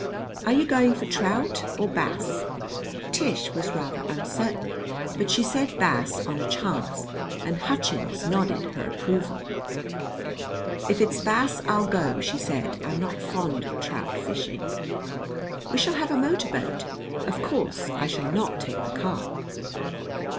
"Are you going for trout or bass?" Tish was rather uncertain, but she said bass on a chance, and Hutchins nodded her approval. "If it's bass, I'll go," she said. "I'm not fond of trout fishing." "We shall have a motor boat. Of course I shall not take the car."